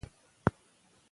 غږ هېڅکله مه پرېږدئ.